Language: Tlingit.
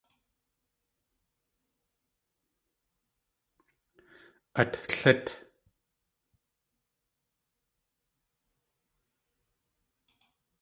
Át lít!